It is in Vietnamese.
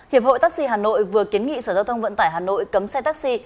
hiệp hội taxi hà nội vừa kiến nghị sở giao thông vận tải hà nội cấm xe taxi